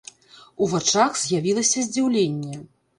У вачах з'явілася здзіўленне.